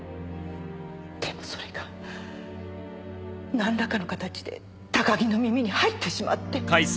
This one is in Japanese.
でもそれがなんらかの形で高木の耳に入ってしまって。